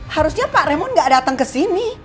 harusnya pak remon gak datang kesini